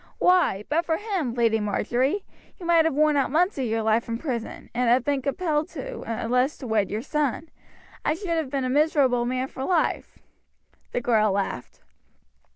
Why, but for him, Lady Marjory, you might have worn out months of your life in prison, and have been compelled at last to wed your cousin. I should have been a miserable man for life." The girl laughed.